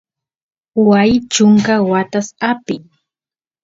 waay chunka watas apin